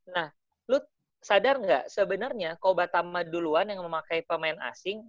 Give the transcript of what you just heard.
nah lu sadar nggak sebenarnya kobatama duluan yang memakai pemain asing